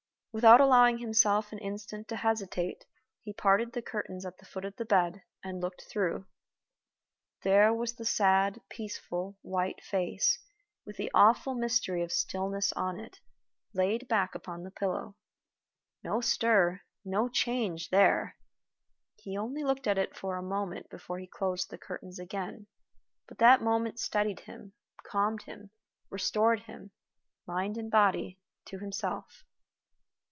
Without allowing himself an instant to hesitate, he parted the curtains at the foot of the bed, and looked through. There was the sad, peaceful, white face, with the awful mystery of stillness on it, laid back upon the pillow. No stir, no change there! He only looked at it for a moment before he closed the curtains again, but that moment steadied him, calmed him, restored him mind and body to himself.